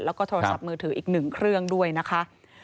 แล้วก็โทรศัพท์มือถืออีกหนึ่งเครื่องด้วยนะคะ